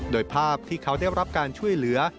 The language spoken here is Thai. โดยภาพที่เขาได้รับการช่วยเหลือ